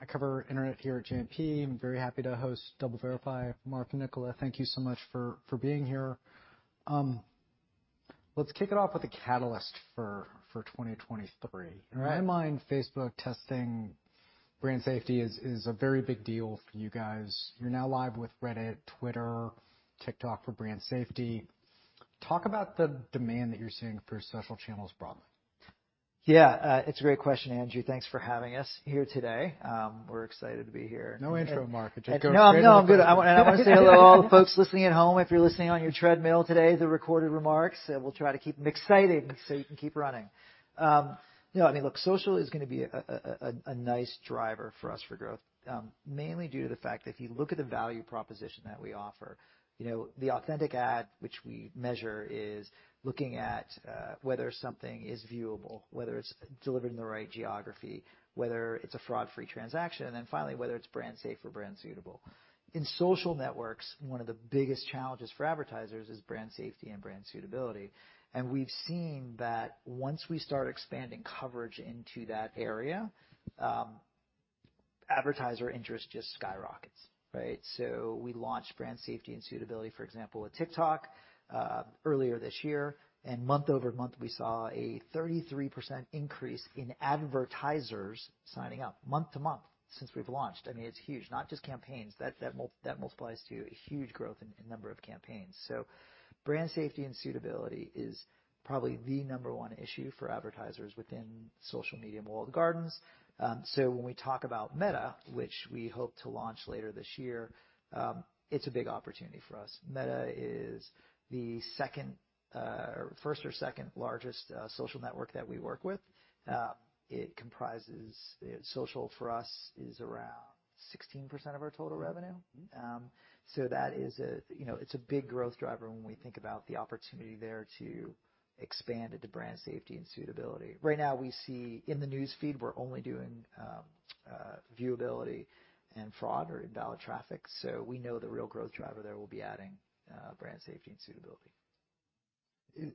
I cover internet here at JMP. I'm very happy to host DoubleVerify. Mark, Nicola, thank you so much for being here. Let's kick it off with a catalyst for 2023. In my mind, Facebook testing brand safety is a very big deal for you guys. You're now live with Reddit, Twitter, TikTok for brand safety. Talk about the demand that you're seeing for social channels broadly. Yeah, it's a great question, Andrew. Thanks for having us here today. We're excited to be here. No intro, Mark. Just go straight to the point. No, I'm good. I want to say hello to all the folks listening at home. If you're listening on your treadmill today, the recorded remarks, we'll try to keep them exciting so you can keep running. No, I mean, look, social is going to be a nice driver for us for growth, mainly due to the fact that if you look at the value proposition that we offer, the Authentic Ad, which we measure, is looking at whether something is viewable, whether it's delivered in the right geography, whether it's a fraud-free transaction, and then finally, whether it's brand safe or brand suitable. In social networks, one of the biggest challenges for advertisers is brand safety and brand suitability. And we've seen that once we start expanding coverage into that area, advertiser interest just skyrockets. So we launched brand safety and suitability, for example, with TikTok earlier this year. Month over month, we saw a 33% increase in advertisers signing up month to month since we've launched. I mean, it's huge. Not just campaigns. That multiplies to a huge growth in number of campaigns. Brand safety and suitability is probably the number one issue for advertisers within social media and walled gardens. When we talk about Meta, which we hope to launch later this year, it's a big opportunity for us. Meta is the first or second largest social network that we work with. Social for us is around 16% of our total revenue. That is a big growth driver when we think about the opportunity there to expand into brand safety and suitability. Right now, we see in the news feed, we're only doing viewability and fraud or invalid traffic. So we know the real growth driver there will be adding brand safety and suitability.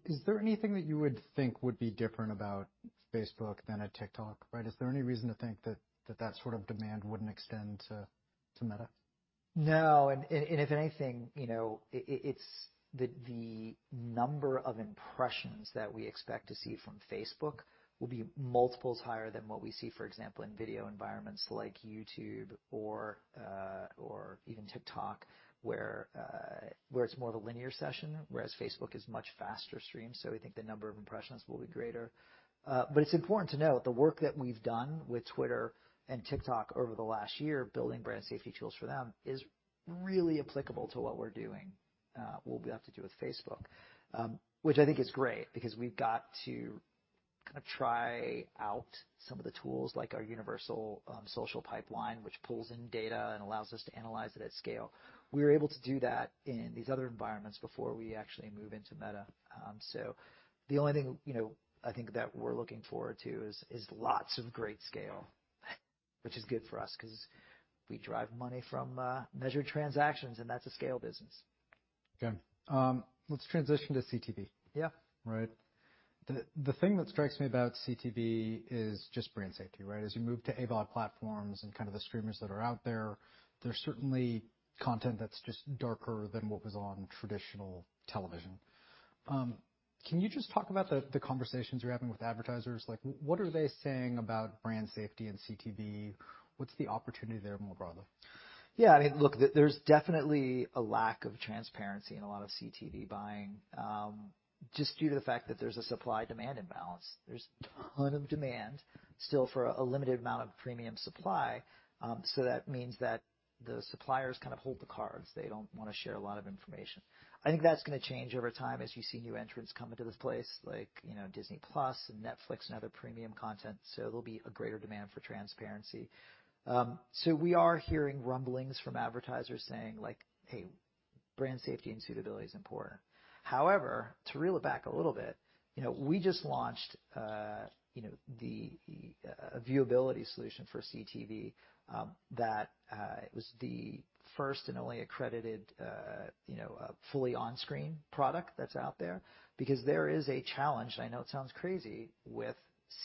Is there anything that you would think would be different about Facebook than a TikTok? Is there any reason to think that that sort of demand wouldn't extend to Meta? No. And if anything, it's the number of impressions that we expect to see from Facebook will be multiples higher than what we see, for example, in video environments like YouTube or even TikTok, where it's more of a linear session, whereas Facebook is a much faster stream. So we think the number of impressions will be greater. But it's important to note the work that we've done with Twitter and TikTok over the last year, building brand safety tools for them, is really applicable to what we're doing, what we have to do with Facebook, which I think is great because we've got to kind of try out some of the tools like our universal social pipeline, which pulls in data and allows us to analyze it at scale. We were able to do that in these other environments before we actually moved into Meta. So the only thing I think that we're looking forward to is lots of great scale, which is good for us because we drive money from measured transactions, and that's a scale business. Okay. Let's transition to CTV. Yeah. Right. The thing that strikes me about CTV is just brand safety. As you move to AVOD platforms and kind of the streamers that are out there, there's certainly content that's just darker than what was on traditional television. Can you just talk about the conversations you're having with advertisers? What are they saying about brand safety and CTV? What's the opportunity there more broadly? Yeah. I mean, look, there's definitely a lack of transparency in a lot of CTV buying just due to the fact that there's a supply-demand imbalance. There's a ton of demand still for a limited amount of premium supply. So that means that the suppliers kind of hold the cards. They don't want to share a lot of information. I think that's going to change over time as you see new entrants come into this place, like Disney+ and Netflix and other premium content. So there'll be a greater demand for transparency. So we are hearing rumblings from advertisers saying, "Hey, brand safety and suitability is important." However, to reel it back a little bit, we just launched a viewability solution for CTV that was the first and only accredited fully on-screen product that's out there because there is a challenge, and I know it sounds crazy, with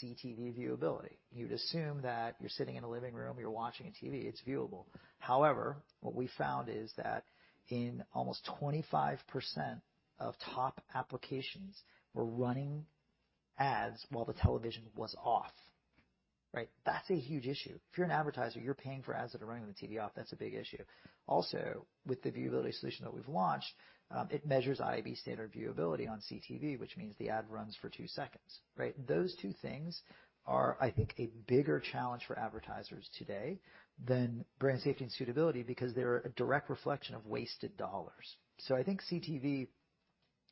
CTV viewability. You'd assume that you're sitting in a living room, you're watching a TV, it's viewable. However, what we found is that in almost 25% of top applications, we're running ads while the television was off. That's a huge issue. If you're an advertiser, you're paying for ads that are running when the TV is off. That's a big issue. Also, with the viewability solution that we've launched, it measures IAB standard viewability on CTV, which means the ad runs for two seconds. Those two things are, I think, a bigger challenge for advertisers today than brand safety and suitability because they're a direct reflection of wasted dollars, so I think CTV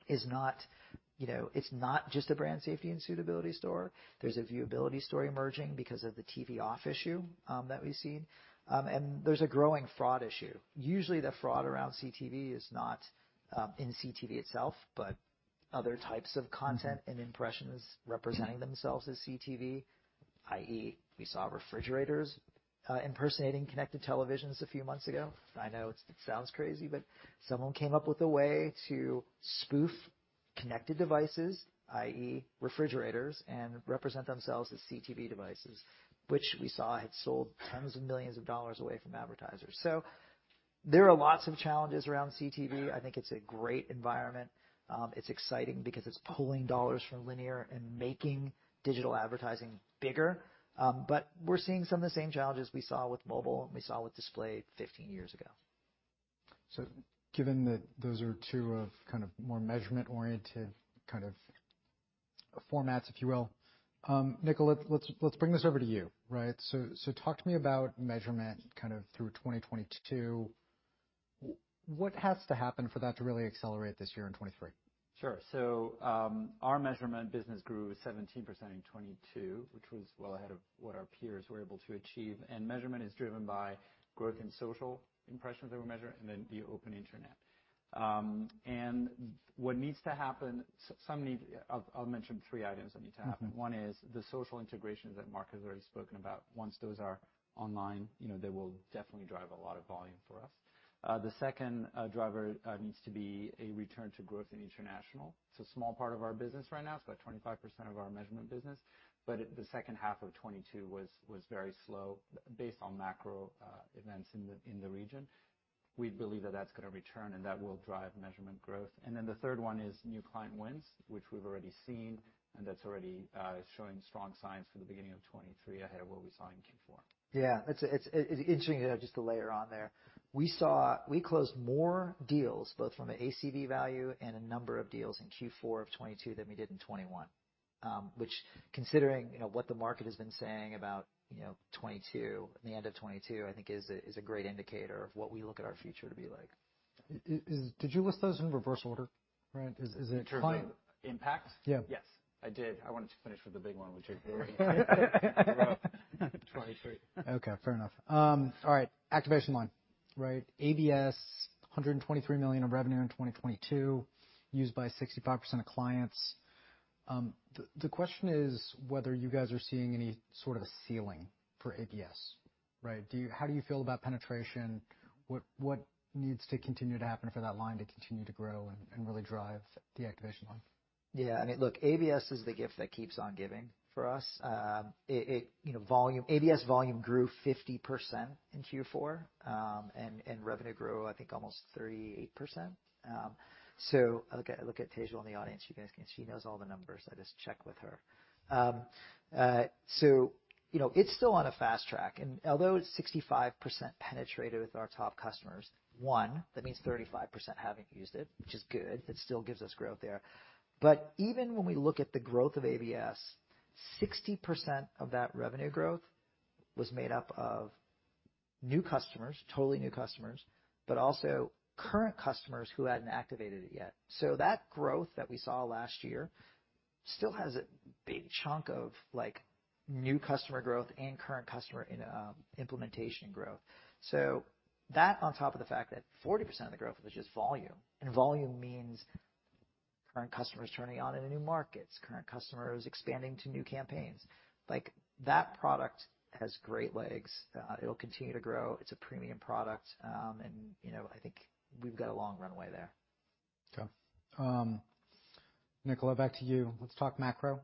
is not just a brand safety and suitability story. There's a viewability story emerging because of the TV off issue that we've seen, and there's a growing fraud issue. Usually, the fraud around CTV is not in CTV itself, but other types of content and impressions representing themselves as CTV, i.e., we saw refrigerators impersonating connected televisions a few months ago. I know it sounds crazy, but someone came up with a way to spoof connected devices, i.e., refrigerators, and represent themselves as CTV devices, which we saw had sold tens of millions of dollars away from advertisers. So there are lots of challenges around CTV. I think it's a great environment. It's exciting because it's pulling dollars from linear and making digital advertising bigger. But we're seeing some of the same challenges we saw with mobile and we saw with display 15 years ago. So given that those are two of kind of more measurement-oriented kind of formats, if you will, Nicola, let's bring this over to you. So talk to me about measurement kind of through 2022. What has to happen for that to really accelerate this year in 2023? Sure. So our measurement business grew 17% in 2022, which was well ahead of what our peers were able to achieve. And measurement is driven by growth in social impressions that we measure and then the open internet. And what needs to happen, I'll mention three items that need to happen. One is the social integrations that Mark has already spoken about. Once those are online, they will definitely drive a lot of volume for us. The second driver needs to be a return to growth in international. It's a small part of our business right now. It's about 25% of our measurement business. But the second half of 2022 was very slow based on macro events in the region. We believe that that's going to return and that will drive measurement growth. The third one is new client wins, which we've already seen, and that's already showing strong signs for the beginning of 2023 ahead of what we saw in Q4. Yeah. It's interesting to have just a layer on there. We closed more deals, both from an ACV value and a number of deals in Q4 of 2022 than we did in 2021, which, considering what the market has been saying about 2022, the end of 2022, I think is a great indicator of what we look at our future to be like. Did you list those in reverse order? Is it? Impact? Yeah. Yes. I did. I wanted to finish with the big one, which is 2023. Okay. Fair enough. All right. Activation line. ABS, $123 million in revenue in 2022, used by 65% of clients. The question is whether you guys are seeing any sort of a ceiling for ABS. How do you feel about penetration? What needs to continue to happen for that line to continue to grow and really drive the activation line? Yeah. I mean, look, ABS is the gift that keeps on giving for us. ABS volume grew 50% in Q4 and revenue grew, I think, almost 38%. So I look at Tejal in the audience. She knows all the numbers. I just check with her. So it's still on a fast track. And although it's 65% penetrated with our top customers, one, that means 35% haven't used it, which is good. It still gives us growth there. But even when we look at the growth of ABS, 60% of that revenue growth was made up of new customers, totally new customers, but also current customers who hadn't activated it yet. So that growth that we saw last year still has a big chunk of new customer growth and current customer implementation growth. So that on top of the fact that 40% of the growth was just volume, and volume means current customers turning on into new markets, current customers expanding to new campaigns. That product has great legs. It'll continue to grow. It's a premium product, and I think we've got a long runway there. Okay. Nicola, back to you. Let's talk macro.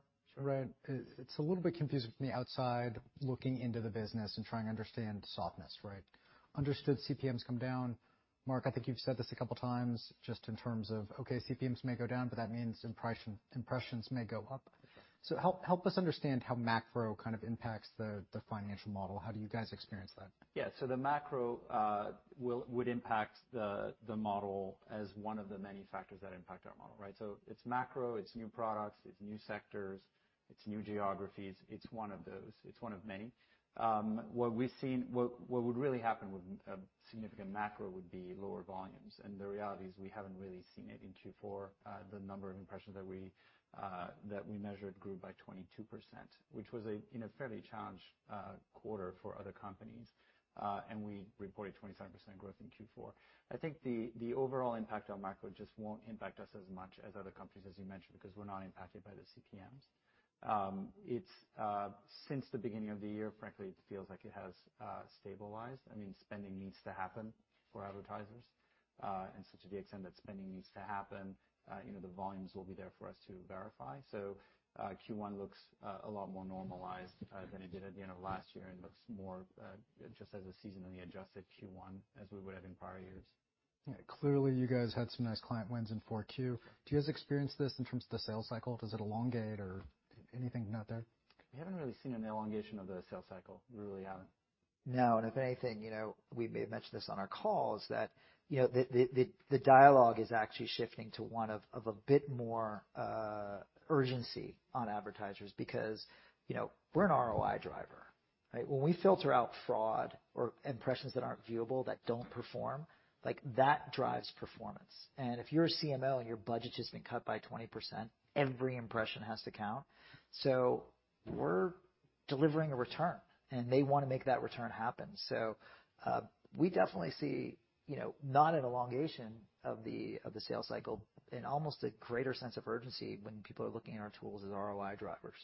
It's a little bit confusing from the outside looking into the business and trying to understand softness. Understood, CPMs come down. Mark, I think you've said this a couple of times just in terms of, "Okay, CPMs may go down, but that means impressions may go up." So help us understand how macro kind of impacts the financial model. How do you guys experience that? Yeah. So the macro would impact the model as one of the many factors that impact our model. So it's macro, it's new products, it's new sectors, it's new geographies. It's one of those. It's one of many. What would really happen with significant macro would be lower volumes. And the reality is we haven't really seen it in Q4. The number of impressions that we measured grew by 22%, which was a fairly challenged quarter for other companies. And we reported 27% growth in Q4. I think the overall impact on macro just won't impact us as much as other companies, as you mentioned, because we're not impacted by the CPMs. Since the beginning of the year, frankly, it feels like it has stabilized. I mean, spending needs to happen for advertisers. To the extent that spending needs to happen, the volumes will be there for us to verify. Q1 looks a lot more normalized than it did at the end of last year and looks more just as a seasonally adjusted Q1 as we would have in prior years. Yeah. Clearly, you guys had some nice client wins in Q4. Do you guys experience this in terms of the sales cycle? Does it elongate or anything not there? We haven't really seen an elongation of the sales cycle. We really haven't. No. And if anything, we may have mentioned this on our calls, that the dialogue is actually shifting to one of a bit more urgency on advertisers because we're an ROI driver. When we filter out fraud or impressions that aren't viewable that don't perform, that drives performance. And if you're a CMO and your budget has been cut by 20%, every impression has to count. So we're delivering a return, and they want to make that return happen. So we definitely see not an elongation of the sales cycle and almost a greater sense of urgency when people are looking at our tools as ROI drivers.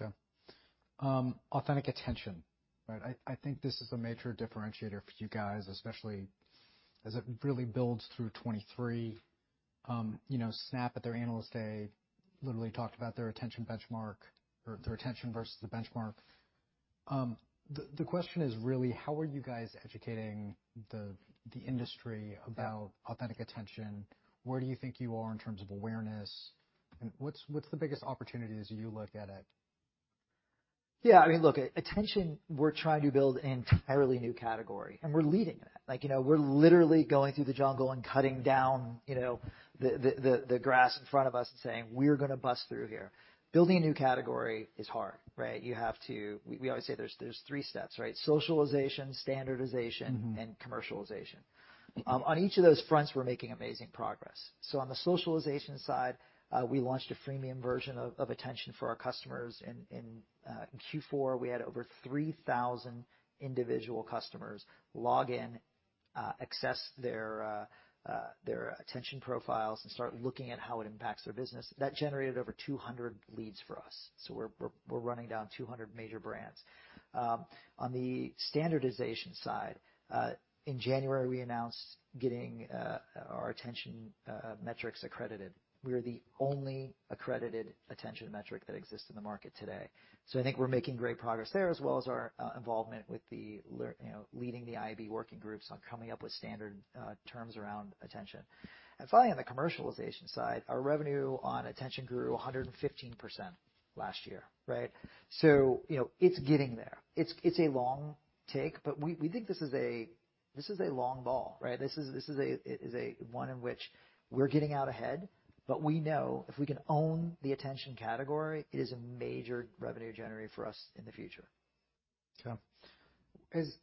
Okay. Authentic Attention. I think this is a major differentiator for you guys, especially as it really builds through 2023. Snap at their analyst day literally talked about their attention benchmark, their attention versus the benchmark. The question is really, how are you guys educating the industry about Authentic Attention? Where do you think you are in terms of awareness, and what's the biggest opportunity as you look at it? Yeah. I mean, look, attention, we're trying to build an entirely new category, and we're leading in it. We're literally going through the jungle and cutting down the grass in front of us and saying, "We're going to bust through here." Building a new category is hard. We always say there's three steps: socialization, standardization, and commercialization. On each of those fronts, we're making amazing progress. So on the socialization side, we launched a freemium version of attention for our customers. In Q4, we had over 3,000 individual customers log in, access their attention profiles, and start looking at how it impacts their business. That generated over 200 leads for us. So we're running down 200 major brands. On the standardization side, in January, we announced getting our attention metrics accredited. We are the only accredited attention metric that exists in the market today. So I think we're making great progress there, as well as our involvement with leading the IAB working groups on coming up with standard terms around attention. And finally, on the commercialization side, our revenue on attention grew 115% last year. So it's getting there. It's a long take, but we think this is a long ball. This is one in which we're getting out ahead, but we know if we can own the attention category, it is a major revenue generator for us in the future. Okay. As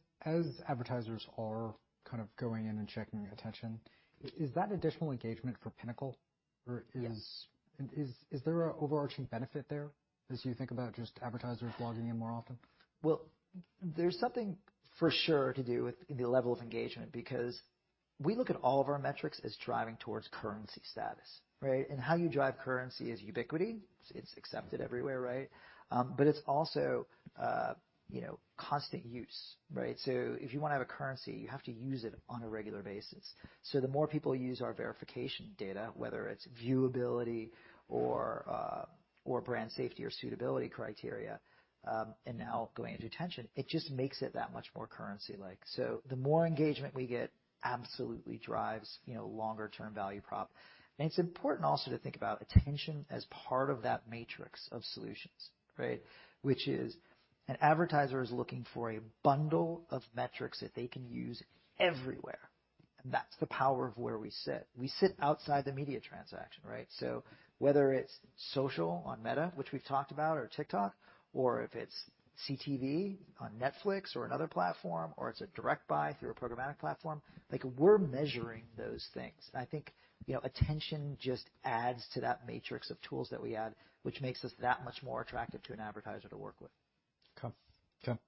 advertisers are kind of going in and checking attention, is that additional engagement for Pinnacle? Yes. Is there an overarching benefit there as you think about just advertisers logging in more often? There's something for sure to do with the level of engagement because we look at all of our metrics as driving towards currency status. How you drive currency is ubiquity. It's accepted everywhere. It's also constant use. If you want to have a currency, you have to use it on a regular basis. The more people use our verification data, whether it's viewability or brand safety or suitability criteria, and now going into attention, it just makes it that much more currency-like. The more engagement we get, absolutely drives longer-term value prop. It's important also to think about attention as part of that matrix of solutions, which is an advertiser is looking for a bundle of metrics that they can use everywhere. That's the power of where we sit. We sit outside the media transaction. So whether it's social on Meta, which we've talked about, or TikTok, or if it's CTV on Netflix or another platform, or it's a direct buy through a programmatic platform, we're measuring those things. And I think attention just adds to that matrix of tools that we add, which makes us that much more attractive to an advertiser to work with. Okay.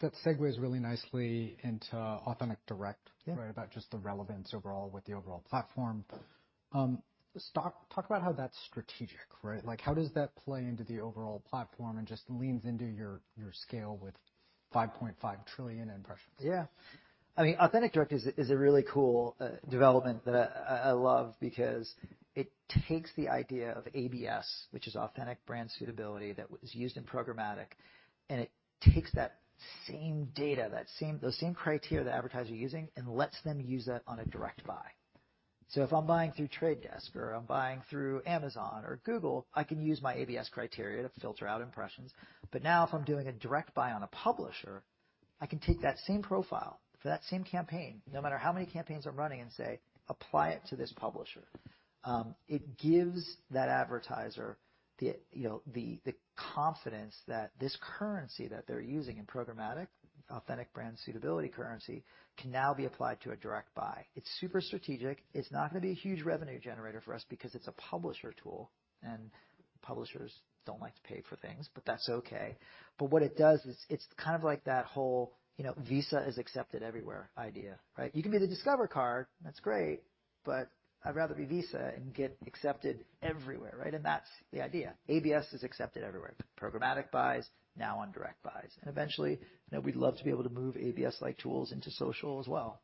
That segues really nicely into Authentic Direct about just the relevance overall with the overall platform. Talk about how that's strategic. How does that play into the overall platform and just leans into your scale with 5.5 trillion impressions? Yeah. I mean, Authentic Direct is a really cool development that I love because it takes the idea of ABS, which is Authentic Brand Suitability that is used in programmatic, and it takes that same data, those same criteria that advertisers are using, and lets them use that on a direct buy. So if I'm buying through Trade Desk or I'm buying through Amazon or Google, I can use my ABS criteria to filter out impressions. But now if I'm doing a direct buy on a publisher, I can take that same profile for that same campaign, no matter how many campaigns I'm running, and say, "Apply it to this publisher." It gives that advertiser the confidence that this currency that they're using in programmatic, Authentic Brand Suitability currency can now be applied to a direct buy. It's super strategic. It's not going to be a huge revenue generator for us because it's a publisher tool, and publishers don't like to pay for things, but that's okay. But what it does is it's kind of like that whole Visa is accepted everywhere idea. You can be the Discover card. That's great, but I'd rather be Visa and get accepted everywhere. And that's the idea. ABS is accepted everywhere. Programmatic buys, now on direct buys. And eventually, we'd love to be able to move ABS-like tools into social as well.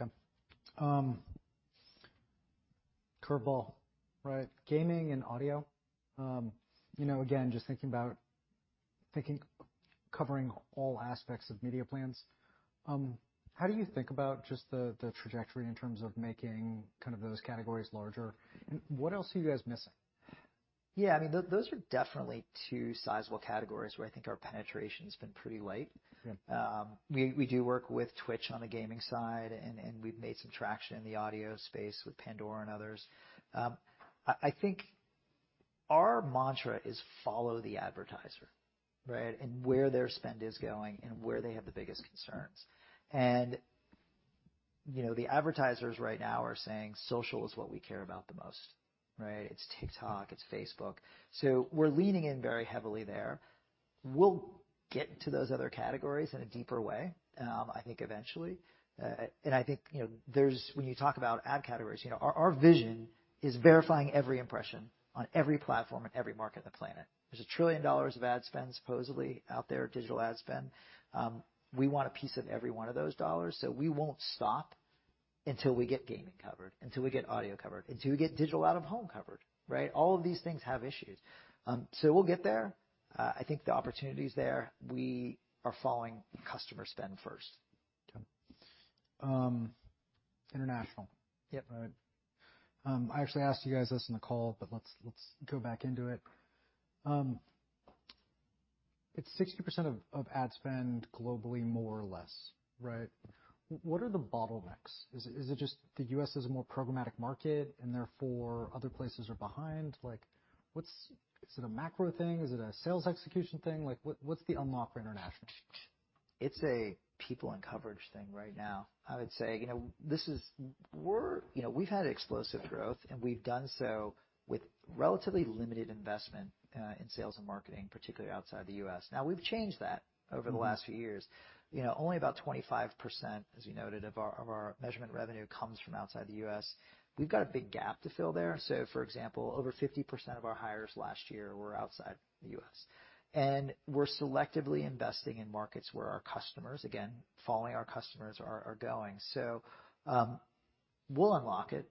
Okay. Curveball. Gaming and audio. Again, just thinking about covering all aspects of media plans. How do you think about just the trajectory in terms of making kind of those categories larger? And what else are you guys missing? Yeah. I mean, those are definitely two sizable categories where I think our penetration has been pretty late. We do work with Twitch on the gaming side, and we've made some traction in the audio space with Pandora and others. I think our mantra is follow the advertiser and where their spend is going and where they have the biggest concerns. And the advertisers right now are saying social is what we care about the most. It's TikTok. It's Facebook. So we're leaning in very heavily there. We'll get into those other categories in a deeper way, I think, eventually. And I think when you talk about ad categories, our vision is verifying every impression on every platform and every market on the planet. There's $1 trillion of ad spend supposedly out there, digital ad spend. We want a piece of every one of those dollars. So we won't stop until we get gaming covered, until we get audio covered, until we get digital out of home covered. All of these things have issues. So we'll get there. I think the opportunity is there. We are following customer spend first. Okay. International. I actually asked you guys this on the call, but let's go back into it. It's 60% of ad spend globally, more or less. What are the bottlenecks? Is it just the U.S. is a more programmatic market, and therefore other places are behind? Is it a macro thing? Is it a sales execution thing? What's the unlock for international? It's a people and coverage thing right now. I would say this is we've had explosive growth, and we've done so with relatively limited investment in sales and marketing, particularly outside the U.S. Now, we've changed that over the last few years. Only about 25%, as you noted, of our measurement revenue comes from outside the U.S. We've got a big gap to fill there. So, for example, over 50% of our hires last year were outside the U.S. And we're selectively investing in markets where our customers, again, following our customers, are going. So we'll unlock it.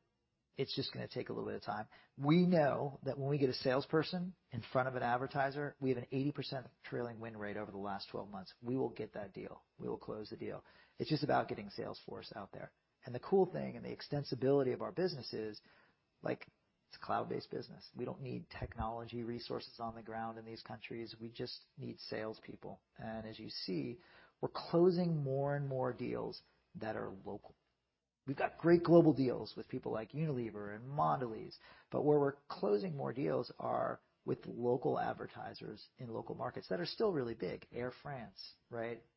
It's just going to take a little bit of time. We know that when we get a salesperson in front of an advertiser, we have an 80% trailing win rate over the last 12 months. We will get that deal. We will close the deal. It's just about getting sales force out there. And the cool thing and the extensibility of our business is it's a cloud-based business. We don't need technology resources on the ground in these countries. We just need salespeople. And as you see, we're closing more and more deals that are local. We've got great global deals with people like Unilever and Mondelēz, but where we're closing more deals are with local advertisers in local markets that are still really big. Air France,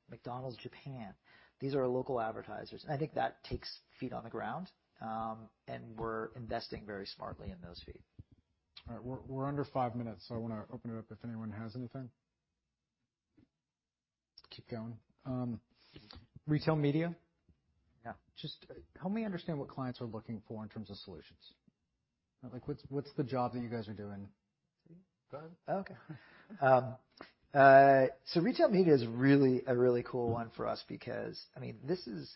McDonald's Japan. These are local advertisers. And I think that takes feet on the ground, and we're investing very smartly in those feet. All right. We're under five minutes, so I want to open it up if anyone has anything. Keep going. Retail media? Yeah. Just help me understand what clients are looking for in terms of solutions. What's the job that you guys are doing? Go ahead. Okay. Retail media is really a really cool one for us because, I mean, this is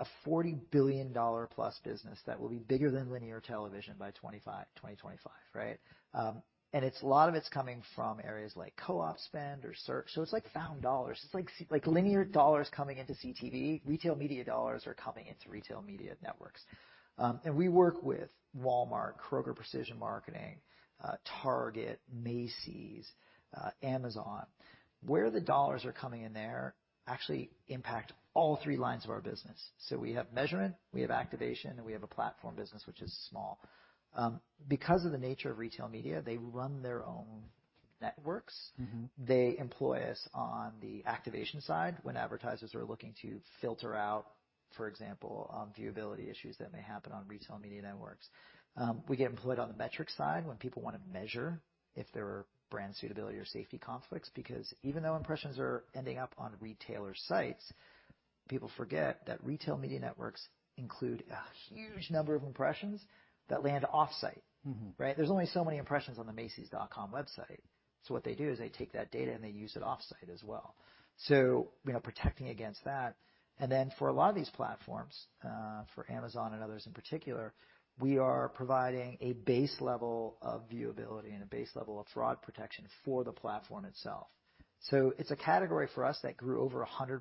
a $40+ billion business that will be bigger than linear television by 2025. A lot of it's coming from areas like co-op spend or search. It's like found dollars. It's like linear dollars coming into CTV. Retail media dollars are coming into retail media networks. We work with Walmart, Kroger Precision Marketing, Target, Macy's, Amazon. Where the dollars are coming in there actually impact all three lines of our business. We have measurement, we have activation, and we have a platform business, which is small. Because of the nature of retail media, they run their own networks. They employ us on the activation side when advertisers are looking to filter out, for example, viewability issues that may happen on retail media networks. We get employed on the metric side when people want to measure if there are brand suitability or safety conflicts because even though impressions are ending up on retailer sites, people forget that retail media networks include a huge number of impressions that land off-site. There's only so many impressions on the Macy's.com website. So what they do is they take that data and they use it off-site as well. So we are protecting against that. And then for a lot of these platforms, for Amazon and others in particular, we are providing a base level of viewability and a base level of fraud protection for the platform itself. So it's a category for us that grew over 100%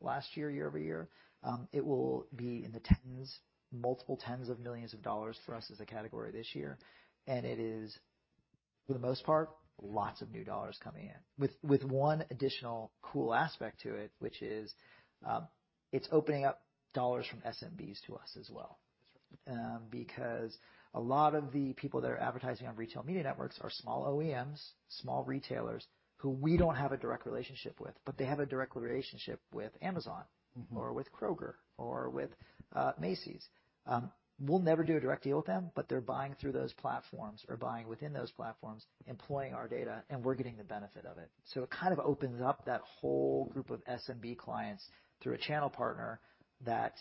last year, year-over-year. It will be in the tens, multiple tens of millions of dollars for us as a category this year. It is, for the most part, lots of new dollars coming in, with one additional cool aspect to it, which is it's opening up dollars from SMBs to us as well. Because a lot of the people that are advertising on retail media networks are small OEMs, small retailers who we don't have a direct relationship with, but they have a direct relationship with Amazon or with Kroger or with Macy's. We'll never do a direct deal with them, but they're buying through those platforms or buying within those platforms, employing our data, and we're getting the benefit of it. It kind of opens up that whole group of SMB clients through a channel partner that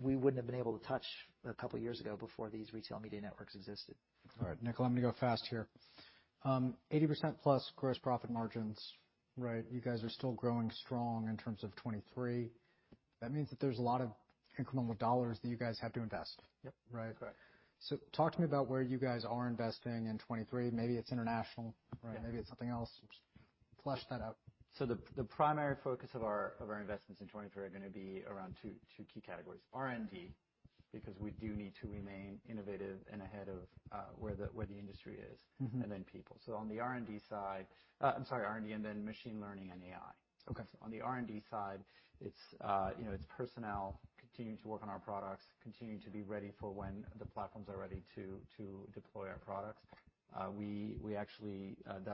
we wouldn't have been able to touch a couple of years ago before these retail media networks existed. All right. Nicola, I'm going to go fast here. 80%+ gross profit margins. You guys are still growing strong in terms of 2023. That means that there's a lot of incremental dollars that you guys have to invest. Yep. Correct. So talk to me about where you guys are investing in 2023. Maybe it's international. Maybe it's something else. Flesh that out. The primary focus of our investments in 2023 are going to be around two key categories: R&D, because we do need to remain innovative and ahead of where the industry is, and then people. So on the R&D side. I'm sorry, R&D and then machine learning and AI. So on the R&D side, it's personnel continuing to work on our products, continuing to be ready for when the platforms are ready to deploy our products. That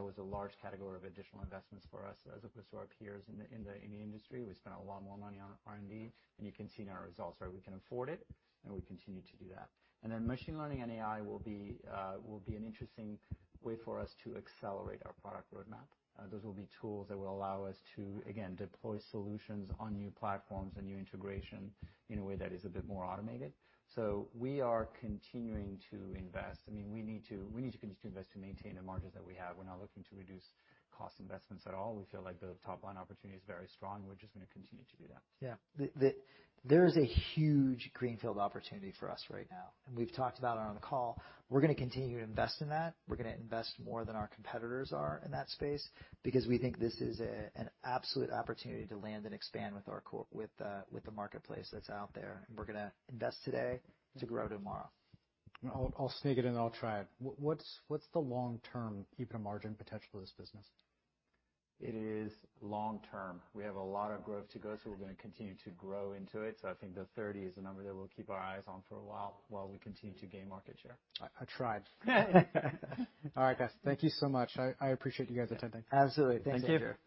was a large category of additional investments for us as opposed to our peers in the industry. We spent a lot more money on R&D, and you can see in our results where we can afford it, and we continue to do that. And then machine learning and AI will be an interesting way for us to accelerate our product roadmap. Those will be tools that will allow us to, again, deploy solutions on new platforms and new integration in a way that is a bit more automated. So we are continuing to invest. I mean, we need to continue to invest to maintain the margins that we have. We're not looking to reduce cost investments at all. We feel like the top-line opportunity is very strong. We're just going to continue to do that. Yeah. There is a huge greenfield opportunity for us right now. And we've talked about it on the call. We're going to continue to invest in that. We're going to invest more than our competitors are in that space because we think this is an absolute opportunity to land and expand with the marketplace that's out there. And we're going to invest today to grow tomorrow. I'll sneak it in and I'll try it. What's the long-term EBITDA margin potential of this business? It is long-term. We have a lot of growth to go, so we're going to continue to grow into it. So I think the 30 is a number that we'll keep our eyes on for a while, while we continue to gain market share. I tried. All right, guys. Thank you so much. I appreciate you guys attending. Absolutely. Thank you.